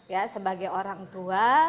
ya sebagai orang tua